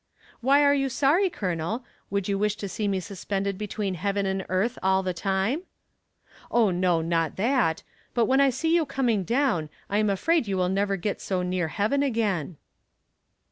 "Why are you sorry, Colonel? Would you wish to see me suspended between heaven and earth all the time?" "Oh, no, not that; but when I see you coming down I am afraid you will never get so near heaven again."